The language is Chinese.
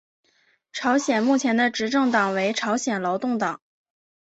朝鲜目前的执政党为朝鲜劳动党。